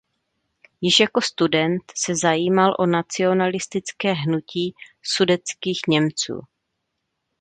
Již jako student se zajímal o nacionalistické hnutí sudetských Němců.